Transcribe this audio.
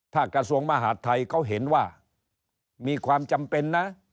ถ้ากระทรวงมหาดไทยเขาเห็นว่ามีความจำเป็นนะ